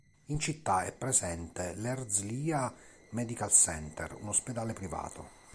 In città è presente l'Herzliya Medical Center, un ospedale privato.